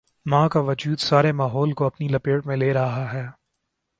ماں کا وجودسارے ماحول کو اپنی لپیٹ میں لے رہا ہے۔